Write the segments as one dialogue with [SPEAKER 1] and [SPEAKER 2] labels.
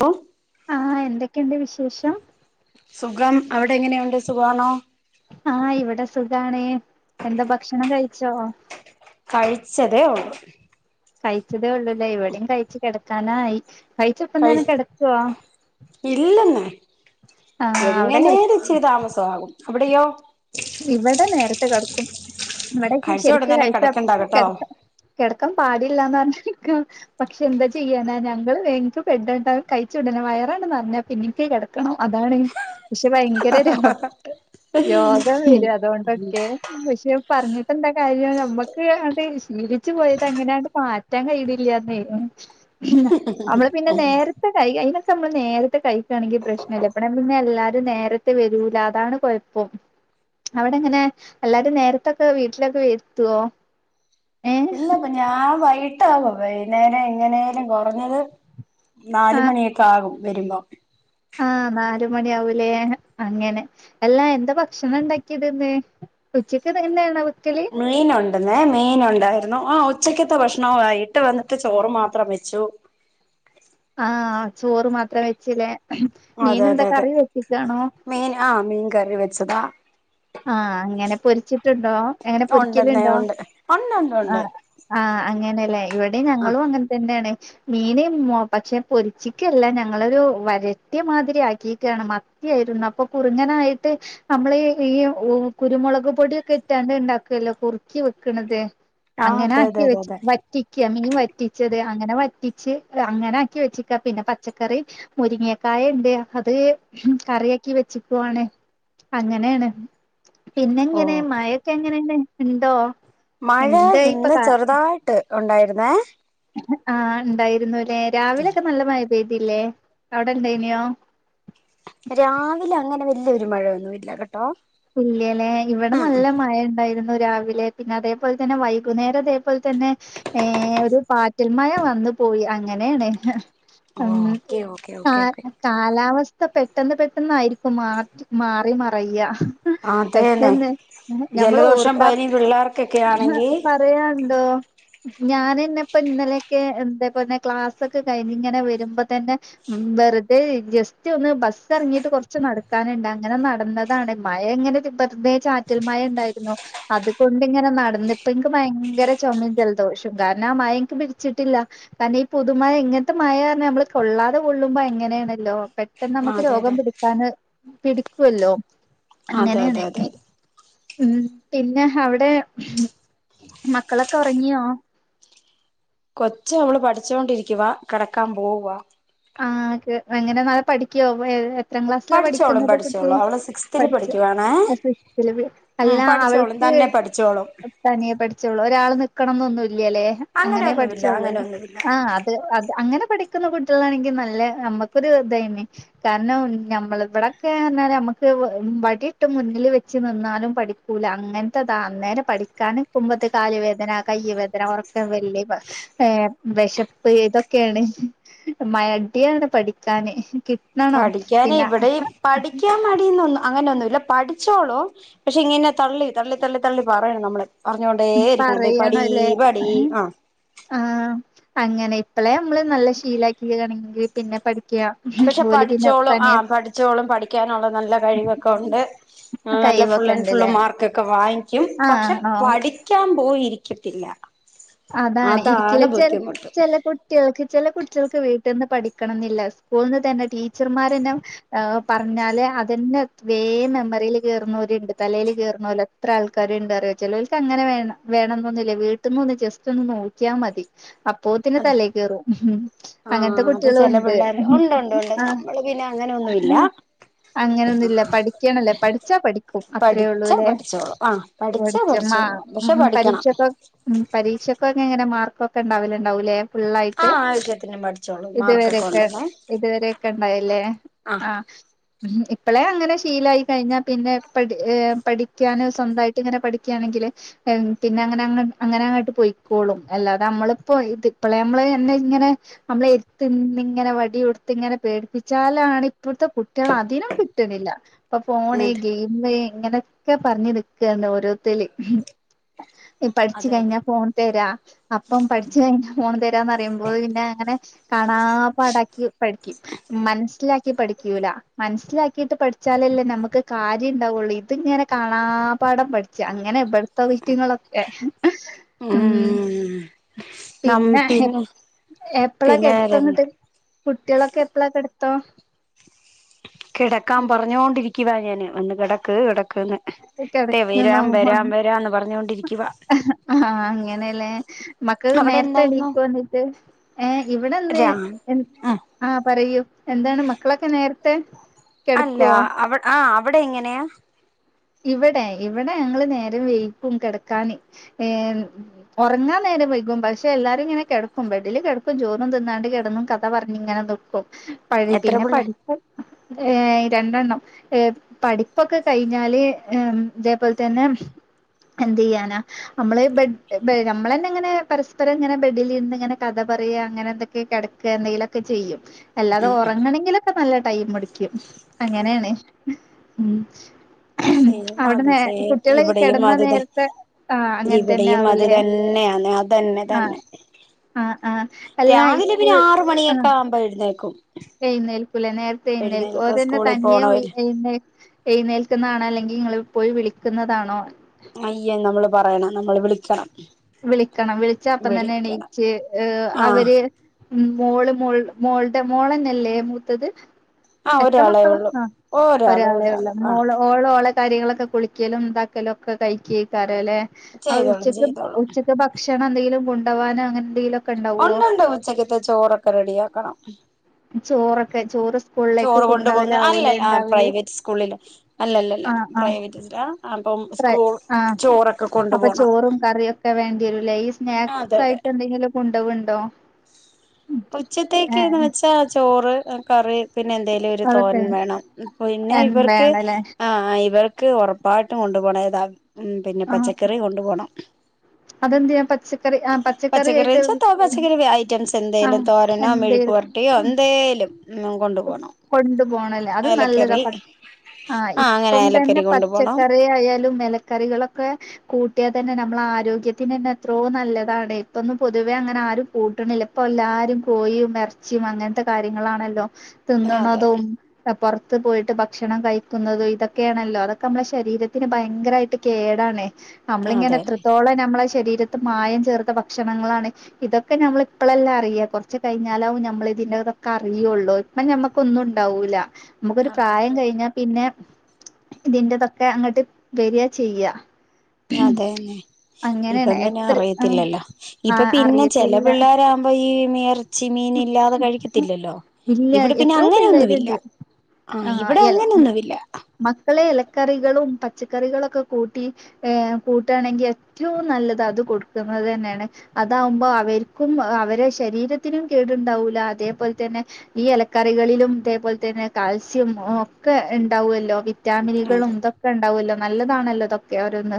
[SPEAKER 1] ഹ
[SPEAKER 2] ആഹ് എന്തൊക്കെയുണ്ട് വിശേഷം
[SPEAKER 1] സുഖം അവിടെ എങ്ങനെയുണ്ട് സുഖമാണോ
[SPEAKER 2] ആഹ് ഇവിടെ സുഖാണേ എന്താ ഭക്ഷണം കഴിച്ചോ
[SPEAKER 1] കഴിച്ചതേ ഉള്ളൂ
[SPEAKER 2] കഴിച്ചതേ ഉള്ളൂലേ എവിടെയും കഴിച്ച് കിടക്കാനായി
[SPEAKER 1] കഴി
[SPEAKER 2] കഴിച്ചിപ്പന്തന്നെ കിടക്കുവോ
[SPEAKER 1] ഇല്ലെന്നേ
[SPEAKER 2] ആഹ് അവിടെ കട
[SPEAKER 1] ഇത്തിരി താമസംമാകും അവിടെയോ
[SPEAKER 2] ഇവിടെ നേരത്തെ കിടക്കും ഇവിടെക്ക്
[SPEAKER 1] കഴിച്ച ഉടൻ
[SPEAKER 2] ശെരിക്ക്
[SPEAKER 1] തന്നെ
[SPEAKER 2] കഴിച്ച
[SPEAKER 1] കിടക്കണ്ട
[SPEAKER 2] അപ്പ
[SPEAKER 1] കേട്ടോ
[SPEAKER 2] കിടക്കും കിടക്കാൻ പാടില്ലാന്ന് പറഞ്ഞിരിക്കും പക്ഷെ എന്താ ചെയ്യാനാ ഞങ്ങള് [unintelligible] കഴിച്ചുടനെ വയറങ്ങ് നെറഞ്ഞ എനിക്ക് കെടക്കണം അതാണ് പക്ഷെ ഭയങ്കര രോ രൊ വരും അതൊണ്ടൊക്കെ പക്ഷെ പറഞ്ഞിട്ടെന്താ കാര്യം നമ്മുക്ക് അത് ശീലിച്ചു പോയത് അങ്ങനാണ്ട് മാറ്റാൻ കഴിയിണില്ല്യാന്നേ നമ്മള് പിന്നെ നേരത്തെ കൈ അയിനൊക്കെ നമ്മള് നേരത്തെ കഴിക്കാണെങ്കി പ്രശ്നില്ലേ ഇവടെ പിന്നെ എല്ലാരും നേരത് ത്തെ വരൂല അതാണ് കൊയപ്പം അവിടെ എങ്ങനെ എല്ലാരും നേരത്തൊക്കെ വീട്ടിലൊക്കെ എത്തുവോ ഏഹ്
[SPEAKER 1] ഇല്ല ഇപ്പ ഞാൻ വൈട്ടാവും വൈന്നേരം എങ്ങനേലും കുറഞ്ഞത് നാല മണിയൊക്കെ ആകും വരുമ്പോ
[SPEAKER 2] ആഹ നാല് മണി ആവൂലേ അങ്ങനെ എല്ലാ എന്താ ഭക്ഷണം ഇണ്ടാക്കിയത് ഇന്ന് ഉച്ചയ്ക്ക് ഇതെന്നാണ വക്കല്
[SPEAKER 1] മീന ഉണ്ടെന്നേ മീന് ഉണ്ടായിരുന്നു ആ ഉച്ചക്കത്തെ ഭക്ഷണാ വൈകീട്ട് വന്നിട്ട് ചോറ് മാത്രം വെച്ചു
[SPEAKER 2] ആഹ ചോറ് മാത്രം വെച്ചില്ലേ മീൻ
[SPEAKER 1] അതെ അതെ
[SPEAKER 2] എന്താ
[SPEAKER 1] അതെ
[SPEAKER 2] കറി വെച്ചിക്കാണോ
[SPEAKER 1] മീൻ ആഹ മീൻ കറി വെച്ചതാ
[SPEAKER 2] ആഹ അങ്ങനെ പൊരിച്ചിട്ടുണ്ടോ എങ്ങനെ പൊരിക്കലുണ്ടോ
[SPEAKER 1] അന്ന് എൻ
[SPEAKER 2] ആ ആ അങ്ങനെയല്ലേ ഇവിടെ
[SPEAKER 1] ആ
[SPEAKER 2] ഞങ്ങളും അങ്ങനെ തന്നെയാണ് മീന് പക്ഷെ പൊരിച്ചിക്കല്ല ഞങ്ങളൊരു വരട്ടിയ മാതിരി ആക്കിയിക്കയാണ് വ ആയിരുന്നു അപ്പൊ കുറുങ്ങനായിട്ട് നമ്മള് ഈ ഒ കുരുമുളക് പൊടിയൊക്കെ ഇട്ടാണ്ട് ഇണ്ടാക്കല്ലോ കുറുക്കി വെക്കണത്
[SPEAKER 1] ആ
[SPEAKER 2] അങ്ങനെ
[SPEAKER 1] അതെ അതെ
[SPEAKER 2] ആക്കി
[SPEAKER 1] അതെ
[SPEAKER 2] വെച്ച്
[SPEAKER 1] അതെ
[SPEAKER 2] വറ്റി മീൻ വറ്റിച്ചത് അങ്ങനെ വറ്റിച്ച് അങ്ങനെ ആക്കി വെച്ചിക്ക പിന്നെ പച്ചക്കറി മുരിങ്ങക്കായ ഇണ്ട് അത് കറിയാക്കി വെച്ചിക്കും ആണ് അങ്ങനെയാണ്
[SPEAKER 1] ഓ
[SPEAKER 2] പിന്നെങ്ങനെ മഴൊക്കെ എങ്ങനെ ഇണ്ട് ഉണ്ടോ
[SPEAKER 1] മഴ ഇന്ന് ചെറുതായിട്ട് ഉണ്ടായിരുന്നേ
[SPEAKER 2] ആഹ് ഉണ്ടായിരുന്നു ല്ലെ രാവിലൊക്കെ നല്ല മഴ പെയ്തിയില്ലേ അവിടെ ഉണ്ടായിനെയോ
[SPEAKER 1] രാവിലെ അങ്ങനെ വലിയൊരു മഴയൊന്നും ഇല്ല കേട്ടോ
[SPEAKER 2] ഇല്ല്യലെ ഇവിടെ
[SPEAKER 1] ഉം
[SPEAKER 2] നല്ല
[SPEAKER 1] ഉം
[SPEAKER 2] മഴ ഉണ്ടായിരുന്നു രാവിലെ പിന്നെ അതേപോലെ തന്നെ വൈകുന്നേരം ഇതേപോലെ തന്നെ ഏർ ഒരു പാറ്റിൽ മഴ വന്നു പോയി അങ്ങനെയാണ് ഉം
[SPEAKER 1] ഓക്കെ ഓക്കെ
[SPEAKER 2] ആ
[SPEAKER 1] ഓക്കെ ഓക്കെ
[SPEAKER 2] കാലാവസ്ഥ പെട്ടെന്ന് പെട്ടെന്ന് ആയിരിക്കും മാറ്റ മാറി മറയ
[SPEAKER 1] അതേന്നെ
[SPEAKER 2] പെട്ടെന്ന് ഞമ്മൾ
[SPEAKER 1] ജലദോഷം
[SPEAKER 2] ഓർക്കാൻ
[SPEAKER 1] പനി പിള്ളേർക്കൊക്കെ ആണെങ്കി
[SPEAKER 2] പറയാൻ ഇണ്ടോ ഞാനന്നെ ഇപ്പോ ഇന്നലെയൊക്കെ എന്താ പറെയ ക്ലാസ്ഒക്കെ കഴിഞ്ഞ് ഇങ്ങനെ വരുമ്പോ തന്നെ വെറുതെ ജസ്റ്റ് ഒന്ന് ബസ്സ് ഇറങ്ങിട്ട് കൊറച്ച് നടക്കാനുണ്ട് അങ്ങനെ നടന്നതാണ് മഴ ഇങ്ങനെ വെറുതെ ചാറ്റൽ മഴ ഉണ്ടായിരുന്നു അതുകൊണ്ട് ഇങ്ങനെ നടന്നിപ്പ എനിക്ക് ഭയങ്കര ചുമയും ജലദോഷം കാരണം ആ മഴ ഇൻക്ക് പിടിച്ചിട്ടില്ല കാരണം ഈ പുതുമഴ ഇങ്ങനത്തെ മഴ പറഞ്ഞാ നമ്മള് കൊള്ളാതെ കൊള്ളുമ്പോ അങ്ങനെയാണല്ലോ പെട്ടെന്ന് നമുക്ക്
[SPEAKER 1] അതെ
[SPEAKER 2] രോഗം
[SPEAKER 1] അതെ
[SPEAKER 2] പിടിക്കാന് പിടിക്കുമല്ലോ
[SPEAKER 1] അതെ അതെ അതെ അതെ
[SPEAKER 2] ഉം പിന്നെ അവിടെ മക്കളൊക്കെ ഉറങ്ങിയോ
[SPEAKER 1] കൊച് അവള് പഠിച്ചുകൊണ്ടിരിക്കുവാ കിടക്കാൻ പോവാ
[SPEAKER 2] ആ എങ്ങനെ നല്ലം പഠിക്കോ ഏഹ് ഇത്രം ക്ലാസ്സിലാ
[SPEAKER 1] പഠിച്ചോളും
[SPEAKER 2] പഠിക്കുന്നത് കുട്ടി
[SPEAKER 1] പഠിച്ചോളും അവള് സിക്സ്തില്
[SPEAKER 2] പഠിച്ചു
[SPEAKER 1] പഠിക്കുവാണേ
[SPEAKER 2] [unintelligible]
[SPEAKER 1] ഉം
[SPEAKER 2] അല്ല
[SPEAKER 1] പഠിച്ചോളും
[SPEAKER 2] അവൾക്ക്
[SPEAKER 1] തന്നെ പഠിച്ചോളും
[SPEAKER 2] തനിയെ പഠിച്ചോളും ഒരാള് നിക്കണംന്ന് ഒന്നുല്യ ലെ അങ്ങനെ
[SPEAKER 1] അങ്ങനെയൊന്നുമില്ല
[SPEAKER 2] പഠിച്ചോള്ളൂല്ലേ
[SPEAKER 1] അങ്ങനെയൊന്നുമില്ല
[SPEAKER 2] ആ അത് അത് അങ്ങനെ പഠിക്കുന്ന കുട്ടി ട്ട്യാളാണെങ്കി നല്ല നമ്മക്കൊരു ഇതായിന്നു കാരണം ഞമ്മള് ഇവിടൊക്കെന്ന് പറഞ്ഞാൽ നമ്മുക്ക് വടി ഇട്ത്ത് മുന്നിൽ വെച്ച് നിന്നാലും പഠി കൂല അങ്ങനത്തെതാ അന്നേരം പഠിക്കാൻ ഇരികുമ്പ കാലുവേദന കയ്യ് വേദന ഉറക്കം വരല് ഏഹ് വിശപ്പ് ഇതൊക്കെയാണ് മടിയാണ് പഠിക്കാന് കിട്ടണം
[SPEAKER 1] പഠിക്കാനേ
[SPEAKER 2] പിന്നെ
[SPEAKER 1] ഇവിടെ പഠിക്കാൻ മടിയോന്നും അങ്ങനെയൊന്നും ഇല്ല പഠിച്ചോളും പക്ഷെ ഇങ്ങനെ തള്ളി തള്ളി തള്ളി തള്ളി പറയണം നമ്മള് പറഞ്ഞോണ്ടേ ഇരിക്കണം പോയി പടി പടി ആഹ്
[SPEAKER 2] ആഹ അങ്ങനെ ഇപ്പളെ നമ്മള് നല്ല ശീലാക്കിയാണെങ്കിൽ പിന്നെ പഠിക്ക
[SPEAKER 1] പക്ഷെ
[SPEAKER 2] ഓല് പിന്നെ
[SPEAKER 1] പഠിച്ചോളും ആ
[SPEAKER 2] തനിയെ
[SPEAKER 1] പഠിച്ചോളും പഠിക്കാനുള്ള നല്ല കഴിവൊക്കെ ഉണ്ട് നല്ല ഫുൾ
[SPEAKER 2] കഴിവൊക്കെ
[SPEAKER 1] ആൻഡ് ഫുള്ള്
[SPEAKER 2] ഇണ്ട്ല്ലേ
[SPEAKER 1] മാർക്ക്ഒക്കെ വാങ്ങിക്കും
[SPEAKER 2] ആഹ്
[SPEAKER 1] പക്ഷെ
[SPEAKER 2] ആഹ്
[SPEAKER 1] പഠി ക്കാൻ പോയിരിക്കത്തില്ല
[SPEAKER 2] അതാണ് ഇരിക്കല ചെ ചില കു തിളക്ക ചില കുട്ടികൾക്ക് വീട്ടിൽന്ന് പഠിക്കണം എന്നില്ല സ്കൂളിൽ നിന്ന് തന്നെ ടീച്ചർമാരന്നെ പറഞ്ഞാല് അതന്നെ വേ മെമ്മറിയിൽ കയറുന്നവല ഉണ്ട് തലയിൽ കയറുന്ന പോല ഇത്ര ആൾക്കാര ഉണ്ട് അറിയോ ചിലോവർക്ക് അങ്ങനെ വേണം വേണംമ എന്നൊന്നുമില്ല വീട്ടിൽന്ന് ജസ്റ്റ് ഒന്ന് നോക്കിയാൽ മതി അപ്പോത്തിന്നെ
[SPEAKER 1] അതെ
[SPEAKER 2] തലൽ കയറും അങ്ങനത്തെ
[SPEAKER 1] ആഹ് അത്
[SPEAKER 2] കുട്ടികള
[SPEAKER 1] ചെല
[SPEAKER 2] ഉണ്ട്
[SPEAKER 1] പിള്ളേര് ഉണ്ട് ഉണ്ട് ഉണ്ട്
[SPEAKER 2] ആ
[SPEAKER 1] നമ്മള് പിന്നെ അങ്ങനെ ഒന്നുംല്ല
[SPEAKER 2] അങ്ങനെൊന്നുഇല്ല പഠിക്കണല്ലേ പഠിച്ചാ പഠിക്കും
[SPEAKER 1] പഠിച്ചാ
[SPEAKER 2] അത്രയേള്ളൂല്ലേ
[SPEAKER 1] പഠിച്ചോളും ആഹ് പഠിച്ചാ പഠിച്ചോളും പക്ഷെ
[SPEAKER 2] പഠിച്ച
[SPEAKER 1] പഠിക്കണം
[SPEAKER 2] പരീക്ഷഒക്കെ ഉം പരീക്ഷയ്ക്കെക്കെ എങ്ങനെ മാർക്കൊക്കെ ഉണ്ടാവില്ലേണ്ടാവൂലേ
[SPEAKER 1] ആ
[SPEAKER 2] ഫുള്ളായിട്ട്
[SPEAKER 1] ആവശ്യത്തിന് പഠിച്ചോളൂ മാർക്കൊക്കെ
[SPEAKER 2] ഇതുവരൊക്കെ
[SPEAKER 1] ഉണ്ടെന്നേ
[SPEAKER 2] ഇതുവരൊക്കെ ഉണ്ടായില്ലേ
[SPEAKER 1] ആ
[SPEAKER 2] ആഹ് ഉ ഇപ്പളെ അങ്ങനെ ശീലായി കഴിഞ്ഞാൽ പിന്നെ പഠ പഠിക്കാന് സ്വന്തമായിട്ട് ഇങ്ങനെ പഠിക്കുകയാണെങ്കില് പിന്നെ അങ്ങനെങ്ങ അങ്ങനെ അങ്ങോട്ട് പോയി സ്കൂളും അല്ലാതെ നമ്മളിപ്പോഇത് ഇപ്പോളെ നമ്മള് എാ ഇങ്ങനെ നമ്മള എത്ത്ന്നിങ്ങനെ വടിിയ കൊടുത്ത് ഇങ്ങനെ പേടിപ്പിച്ചാലാണ് ഇപ്പോഴത്തെ അതിനും കിട്ടുന്നില്ല ഇപ്പൊ
[SPEAKER 1] അതെ
[SPEAKER 2] ഫോണ് ഗെയി ഇങ്ങനെയൊക്കെ പറഞ്ഞു നിക്കുകന്ന് ഓരോരുത്ത പഠിച്ചു
[SPEAKER 1] അതെ അതെ
[SPEAKER 2] കഴിഞ്ഞ ഫോൺ തരാ അപ്പം പഠിച്ചു കഴിഞ്ഞ ഫോൺ തരാന്ന് പറയുമ്പോൾ പിന്നെ അങ്ങനെ കാണാ പാടാക്കി പഠിക്കും മനസ്സിലാക്കി പഠിക്കൂല മനസ്സിലാക്കിട്ട് പഠിച്ചാലല്ലേ നമുക്ക് കാര്യംണ്ടാവുള്ളൂ ഇത് ഞനെ കാണാപാഠം പഠിച്ച അങ്ങനെ ഇവിടത്തെയറ്റങ്ങളൊക്കെ ഉം പിന്നെ
[SPEAKER 1] പിന്നെ
[SPEAKER 2] എപ്പകെടത്തന്നട്ട് കുട്ടികളൊക്കെ എപ്പള കെടത്താ
[SPEAKER 1] കിടക്കാൻ പറഞ്ഞൊണ്ടിരിക്കുവാ ഞാൻ വന്ന് കിടക്ക് കിടക്ക്ന്ന് തെ
[SPEAKER 2] കിടക്കന്ന്
[SPEAKER 1] വരാം വരാം
[SPEAKER 2] [unintelligible] ഓ
[SPEAKER 1] വരാന്ന് പറഞ്ഞോണ്ടിരിക്കുവാ
[SPEAKER 2] ആഹ് അ അങ്ങനെയല്ലേ മക്ക്
[SPEAKER 1] അവിടെ
[SPEAKER 2] നേരത്തെ
[SPEAKER 1] എന്തായിരുന്നു
[SPEAKER 2] എണീക്കോന്നട്ട് ഏ ഇവിടെന്ന്
[SPEAKER 1] രാ
[SPEAKER 2] മം
[SPEAKER 1] ഉം
[SPEAKER 2] ആഹ പറയൂ എന്താണ് മക്കളൊക്കെ നേരത്തെ
[SPEAKER 1] അല്ല
[SPEAKER 2] കെടക്കുവോ
[SPEAKER 1] അവ ആ അവിടെ എങ്ങനെയാ
[SPEAKER 2] ഇവിടെ ഇവിടെ ഞങ്ങള്നേരം വയിക്കും കിടക്കാൻ ഏ ഉറങ്ങാൻ നേരം വൈകും പക്ഷേ എല്ലാരും ഇങ്ങനെ കിടക്കും ബെഡിൽ കേടക്കും ചോറും തിന്നാണ്ട് കിടന്നും കഥ പറഞ്ഞു ഇങ്ങനെ കൊഹ് [unintelligible] പഴയ
[SPEAKER 1] എത്ര
[SPEAKER 2] പിന്നെ
[SPEAKER 1] പിള്ളേ
[SPEAKER 2] പഠിപ്പ് രണ്ടെണ്ണം പഠിപ്പൊക്കെ കഴിഞ്ഞാല് [unintelligible] ഹം ഇതേപോലെ തന്നെ എന്ത് ചെയ്യാണ് നമ്മള് ബഡ്‌ നമ്മളന്നെ ഇങ്ങനെ പരസ്പരം ഇങ്ങനെ ബെഡിൽ രുന്ന് ഇങ്ങനെ കഥ പറയ അങ്ങനെ എന്തൊക്കെ കിടക്ക ക ന്തയിലൊക്കെ ചെയ്യും അല്ലാതെ
[SPEAKER 1] ഉം
[SPEAKER 2] ഉറങ്ങണമെങ്കിലൊക്കെ നല്ല ടൈംമ്ടിക്കും അങ്ങനെയാണ് മം
[SPEAKER 1] സെയിം ആണ് സെയിം [unintelligible] ഇവിടെയും
[SPEAKER 2] കിടന്ന
[SPEAKER 1] അത്ത
[SPEAKER 2] നേരത്തെ ആഹ് അങ്ങനെ തന്നെ
[SPEAKER 1] ഇവിടെയും അത്
[SPEAKER 2] ആവൂലേ
[SPEAKER 1] തന്നെയാണ് അ തന്നെ
[SPEAKER 2] ആഹ്
[SPEAKER 1] തന്നെ
[SPEAKER 2] ആഹ് ആഹ് അല്ല
[SPEAKER 1] രാവിലെ പിന്നെ
[SPEAKER 2] സ്കൂൾ
[SPEAKER 1] ആറ് മണിയൊക്കെ ആവുമ്പോ എഴുന്നേക്കും
[SPEAKER 2] എഴുന്നേൽക്കൂല നേരത്തെ എഴുന്നേൽക്കും
[SPEAKER 1] എഴുന്നേൽക്ക
[SPEAKER 2] ഓരെന്നെ
[SPEAKER 1] സ്കൂളിൽ
[SPEAKER 2] തനിയെ
[SPEAKER 1] പോണവര്
[SPEAKER 2] എഴുന്നേൽ എഴുന്നേൽക്കുന്നതാണോ അല്ലെങ്കിൽ ഇങ്ങൾപ്പോയി വിളിക്കുന്നതാണോ
[SPEAKER 1] മയ്യേ നമ്മള് പറയണം നമ്മള് വിളിക്കണം
[SPEAKER 2] വിളിക്കണം വിളിച്ച അപ്പം തന്നെ
[SPEAKER 1] വിളിക്കണം
[SPEAKER 2] എണീറ്റ്
[SPEAKER 1] ആഹ്
[SPEAKER 2] അവര് മം മോള് മോൾ മോളുടെ മോളന്നല്ലേ മൂത്തത്
[SPEAKER 1] ആഹ്
[SPEAKER 2] എത്ര
[SPEAKER 1] ഒരാളെ
[SPEAKER 2] മക്കള്
[SPEAKER 1] ഉള്ളൂ
[SPEAKER 2] ആ
[SPEAKER 1] ഒരാള്
[SPEAKER 2] ഒരാളെ
[SPEAKER 1] ഒരാള്
[SPEAKER 2] ഒള്ളു
[SPEAKER 1] ആഹ്
[SPEAKER 2] മോള് ഓള കറികളൊക്കെ കുളിക്കലും ഇണ്ടാക്കലും ഒക്കെ കഴിക്കോക്കാരല്ലെ ആ
[SPEAKER 1] ചെയ്തോളും
[SPEAKER 2] ഉച്ചക്ക്
[SPEAKER 1] ചെയ്തോളും
[SPEAKER 2] ഉച്ചക്ക് ഭക്ഷണം എന്തെങ്കിലും കൊണ്ടോ കാനോ അങ്ങനെ എന്തെങ്കിലോ കെ
[SPEAKER 1] ഒണ്ടൊണ്ട് ഉച്ചക്കത്തെ ചോറൊക്കെ റെഡിയാക്കണം
[SPEAKER 2] ചോറൊക്കെ ചോറ് സ്കൂളിലേക്ക്
[SPEAKER 1] ചോറ് കൊണ്ട് പോന്ന്
[SPEAKER 2] കൊണ്ടോവലാവൂലേ
[SPEAKER 1] അല്ലൽആ
[SPEAKER 2] ഇണ്ടാവല്
[SPEAKER 1] പ്രൈവറ്റ് സ്കൂളില് അല്ലല്ലല്ല
[SPEAKER 2] ആഹ് ആഹ്
[SPEAKER 1] പ്രൈവറ്റില അപ്പം
[SPEAKER 2] ഫ്രൈ
[SPEAKER 1] സ്കൂൾ ചോറൊക്കെ കൊണ്ടു പോണം
[SPEAKER 2] ഒക്കെ വേണ്ടിവരുല്ലേ ഈ
[SPEAKER 1] അതെ
[SPEAKER 2] സ്നാക്സ്
[SPEAKER 1] അതെ
[SPEAKER 2] ആയിട്ട് എന്തെങ്കിലും കൊണ്ടോവ്ണ്ടോ
[SPEAKER 1] ഉച്ചത്തേക്ക്ന്ന്
[SPEAKER 2] ഏഹ്
[SPEAKER 1] വെച്ചാ ചോറ് കറി പിന്നെന്തേലും ഒരു
[SPEAKER 2] അതൊക്കെ
[SPEAKER 1] തോരൻ വേണം പിന്നെ ഇവർക്ക്
[SPEAKER 2] വേണ്ടല്ലേ
[SPEAKER 1] ആഹ് ഇവർക്ക് ഒറപ് പാട്ടും കൊണ്ടു പോണം ഏതാ ഉം പിന്നെ പച്ചക്കറി കൊണ്ടു പോണം
[SPEAKER 2] അതെന്ത് ചെയ്യ പച്ചക്കറി ആഹ് പച്ചക്കറി ആയിട്ട്
[SPEAKER 1] [unintelligible] ഇങ്ക ഐറ്റംസ് എന്തേങ്കലും
[SPEAKER 2] ആഹ്
[SPEAKER 1] തോരണോ മെഴുപരട്ടിയോ എന്തേലും ഉം കൊണ്ടു പോണം
[SPEAKER 2] കൊണ്ടുപോണല്ലേ അത് നല്ലതാ
[SPEAKER 1] ഏലക്കറി
[SPEAKER 2] പ ആഹ്
[SPEAKER 1] അങ്ങനെ
[SPEAKER 2] ഇപ്പം തന്നെ
[SPEAKER 1] ഏലക്കരി കൊണ്ടു പോണം
[SPEAKER 2] പച്ചക്കറി ആയാലും എലക്കറികളൊക്കെ കൂട്ടിയാ തന്നെ നമ്മള ആരോഗ്യത്തിന് തന്നെ എത്രോ നല്ലതാണ് ഇപ്പൊന്ന് പൊതുവെ അങ്ങനാരും കൂട്ടണില്ല ഇപ്പൊ ല്ലാരും കോയീം എറച്ചിയും അങ്ങനത്തെ കാര്യങ്ങളാണല്ലോ
[SPEAKER 1] അതെ
[SPEAKER 2] തിന്നണതും പൊറത്ത് പോയിട്ട് ഭക്ഷണം കയിക്കുന്നത് ഇതൊക്കെയാണല്ലോ അതൊക്കെ നമ്മളെ ശരീരത്തിന് ഭയങ്കരായിട്ട് കേടാണേ. നമ്മളിങ്ങനെ
[SPEAKER 1] അതെന്നെ
[SPEAKER 2] എത്രത്തോളം നമ്മളെ ശരീരത്ത് മായം ചേർത്ത ഭക്ഷണങ്ങളാണ് ഇതൊക്കെ ഞമ്മള ഇപ്പളല്ല അറിയ കുറച്ചു കഴിഞ്ഞാലാവും ഞമ്മൾ ഇതിന്റെ ഇതൊക്കെ അറിയുള്ളു അപ്പ ഞമ്മക്കൊന്നും ഉണ്ടാവൂല്ല നമുക്കൊരു പ്രായം കയിഞ്ഞാ പിന്നെ ഇതിന്റെതൊക്കെ അങ്ങോട്ട് വര്യാചെയ്യ
[SPEAKER 1] അതെന്നേ ഇപ്പം പിന്നെ
[SPEAKER 2] എത്ര ആ
[SPEAKER 1] അറിയത്തില്ലല്ലോ
[SPEAKER 2] ആ
[SPEAKER 1] ഇപ്പൊ പിന്നെ
[SPEAKER 2] അറിയത്തില്ല
[SPEAKER 1] ചെലപിള്ളേരാ ഇപ്പൊ ഈ മീ എറച്ചി മീൻ ഇല്ലാതെ കഴിക്കത്തില്ലല്ലോ
[SPEAKER 2] ഇല്ല
[SPEAKER 1] ഇവിടെ പിന്നെ
[SPEAKER 2] എത്രോ
[SPEAKER 1] അങ്ങനൊന്നുവില്ല
[SPEAKER 2] പിള്ളേരുണ്ട്
[SPEAKER 1] ആഹ്
[SPEAKER 2] ആ
[SPEAKER 1] ഇവിടെ
[SPEAKER 2] എല
[SPEAKER 1] അങ്ങനൊന്നുവില്ല
[SPEAKER 2] മക്കളെ എലക്കറികളും പച്ചക്കറികളൊക്കെ കൂട്ടി ഏഹ് കൂട്ടാണെങ്കി ഏറ്റവും നല്ലത് അത് കൊടുക്കുന്നത് തന്നേണ്. അതാവുമ്പോ അവര്ക്കും അവരെ ശരീരത്തിനും കേടുണ്ടാവൂല അതേപോൽ തന്നെ ഈ എലക്കറികളിലും ഇതേപോൽ തന്നെ കാൽസ്യം ഒക്കെ ണ്ടാവുല്ലോ വി റ്റാമിനുകളും
[SPEAKER 1] അതെ
[SPEAKER 2] ഇതൊക്കെ ണ്ടാവുല്ലോ നല്ലതാണല്ലോ ഇതൊക്കെ ഓരൊന്ന്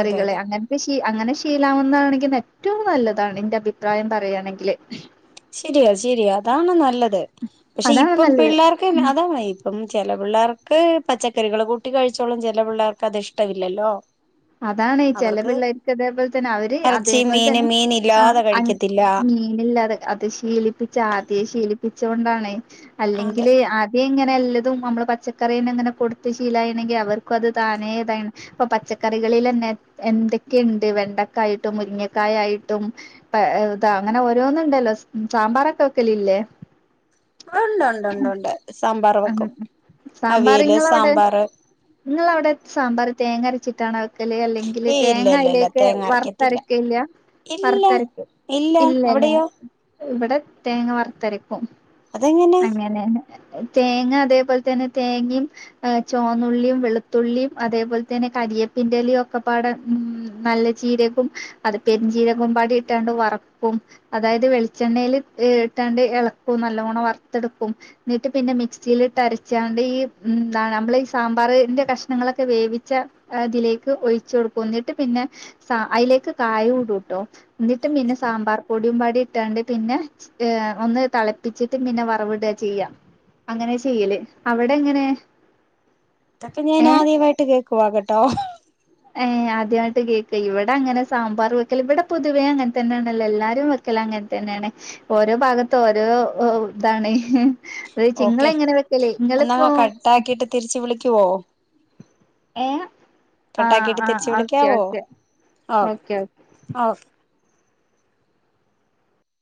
[SPEAKER 1] അതെ അതെ
[SPEAKER 2] അങ്ങൻ ശീ അങ്ങനെ ശീലാവുന്നാണെങ്കി ഏറ്റവും നല്ലതാണ് ന്റെ അഭിപ്രായം പറയാണെങ്കില്.
[SPEAKER 1] ശെരിയ ശെരിയ അതാണ് നല്ലത് പക്ഷെ
[SPEAKER 2] അതാണ്
[SPEAKER 1] ഇപ്പം
[SPEAKER 2] നല്ലത്
[SPEAKER 1] പിള്ളേർ
[SPEAKER 2] ഉം
[SPEAKER 1] പിന്നെ അതാണ് ഇപ്പം ചെല പിള്ളാർക്ക് പച്ചക്കറികള് കൂട്ടി കഴിച്ചോളും ചില പിള്ളാർക്ക് അത് ഇഷ് ഷ്ട്ടവില്ലല്ലോ
[SPEAKER 2] അതാണ് ചെല പിള്ളേർക്ക് അതേപോലെ തന്നെ അവര്
[SPEAKER 1] ഇറച്ചി
[SPEAKER 2] അതേപോൽ
[SPEAKER 1] മീന്
[SPEAKER 2] തന്നെ
[SPEAKER 1] മീൻ
[SPEAKER 2] ആഹ്
[SPEAKER 1] ഇല്ലാതെ
[SPEAKER 2] അൻ
[SPEAKER 1] കഴിക്കത്തില്ല
[SPEAKER 2] മീനില്ലാതെ അത് ശീലിപ്പിച്ച ആദ്യെ ശീലിപ്പിച്ചോണ്ടാണെ
[SPEAKER 1] അതെ
[SPEAKER 2] അല്ലെങ്കില് ആ ഈ ങ്ങനെ ല്ലതും അമ്മള് പച്ചക്കറിയന്ന അങ്ങനെ കൊടുത്ത് ശീലായീന്നെങ്കി അവർക്കും അത് താനേതായിണ് പ്പൊ പച്ചക്കറികളിലന്നെ എന്തൊക്കെയിണ്ട് വെണ്ടക്കായിട്ടും മുരിങ്ങക്കായായിട്ടും പ്പേ ഇതാ അങ്ങനെ ഓരോന്ന്ണ്ടല്ലോ സാമ്പാറൊക്കെ വെക്കല് ല്ലേ?
[SPEAKER 1] ഒണ്ടൊണ്ടൊണ്ടൊണ്ട് സാമ്പാർ വെക്കും അവിയല് സാമ്പാറ്
[SPEAKER 2] ങ്ങളവ്ടെ സാമ്പാർ തേങ്ങരച്ചിട്ടാണോ വെ ക്കല് അല്ലെങ്കില്
[SPEAKER 1] ഏയ് ഇല്ല
[SPEAKER 2] തേങ്ങ
[SPEAKER 1] ഇല്ല ഇല്ല
[SPEAKER 2] അയിലേക്ക്
[SPEAKER 1] തേങ്ങ അരക്കത്തില്ല
[SPEAKER 2] വറുത്തരക്കയില്ല?
[SPEAKER 1] ഇല്ല
[SPEAKER 2] വറ്ത്തരയ്ക്കും ഇല്ല ലേ ഇവടെ തേങ്ങ വറുത്തരക്കും
[SPEAKER 1] അതെങ്ങനെ
[SPEAKER 2] അങ്ങനെയാണ് തേങ്ങ അതേപോൽ തന്നെ തേങ്ങേം ഏഹ് ചോന്നുള്ളീം വെളുത്തുള്ളീം അതേപോൽ തന്നെ കര്യേപ്പിന്റെലേം ഒക്കെ പാടെ മ് നല്ല ജീരകും അത് പെരഞ്ചീരകും പാടി ഇട്ടാണ്ട് വറക്കും. അതായത് വെളിച്ചെണ്ണയില് ഇട്ടാണ്ട് എളക്കും നല്ലോണം വർത്തെടുക്കും ന്നിട്ട് പിന്നെ മിക്സില്ട്ട് അരച്ചാണ്ട് ഈ എന്താണ് അമ്മ്ള് ഈ സാമ്പാറ് ന്റെ കഷ്ണങ്ങളെക്കെ വേവിച്ച അതിലേക്ക് ഒഴിച്ചു കൊടുക്കു ന്നിട്ട് പിന്നെ അയിലേക്ക് കായോം ഇടൂട്ടോ ന്നിട്ട് പിന്നെ സാമ്പാർ പൊടിയും പാടി ഇട്ടാണ്ട് പിന്നെ ഏഹ് ഒന്ന് തളപ്പിച്ചിട്ട് പിന്നെ വറവിടാ ചെയ്യാ. അങ്ങനെ ചെയ്യല് അവടെങ്ങനെ?
[SPEAKER 1] ഇതൊക്കെ ഞാൻ ആദ്യവായിട്ട് കേക്കുവാ കേട്ടോ ഹ്
[SPEAKER 2] ഏഹ് ആദ്യയിട്ട് കേക്കയ്യ് ഇവിടെ അങ്ങനെ സാമ്പാർ വെക്കല് ഇവടെ പൊതുവെ അങ്ങനെ തന്നെണല്ലോ എല്ലാരും വെ ക്കല് അങ്ങനെ തന്നെണ് ഓരോ ഭാഗത്ത് ഓരോ ഓ താണ്. വേവ് ച് ഇങ്ങളെ ങ്ങനെ വെക്കല് ഇങ്ങളിപ്പോ
[SPEAKER 1] ട്ടാക്കിട്ട് തിരിച്ച് വിളിക്കുവോ.?
[SPEAKER 2] ഏഹ് ആഹ്
[SPEAKER 1] കട്ടാക്കിട്ട്
[SPEAKER 2] ആഹ്
[SPEAKER 1] തിരിച്ച്
[SPEAKER 2] ഓക്കെ
[SPEAKER 1] വിളിക്കാവോ
[SPEAKER 2] ഓക്കെ
[SPEAKER 1] ഓക
[SPEAKER 2] ഓക്കെ ഓ
[SPEAKER 1] ഓ